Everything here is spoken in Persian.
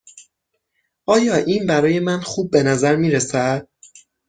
آیا این برای من خوب به نظر می رسد؟